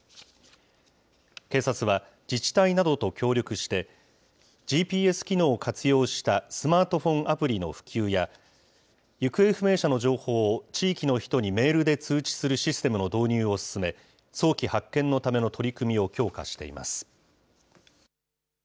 警察は、自治体などと協力して、ＧＰＳ機能を活用したスマートフォンアプリの普及や、行方不明者の情報を、地域の人にメールで通知するシステムの導入を進め、早期発見のための取り組みを強化しています。